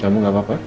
kamu gak apa apa